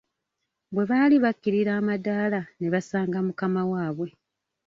Bwe baali bakkirira amadaala ne basanga mukama waabwe!